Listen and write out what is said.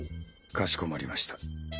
かしこまりました。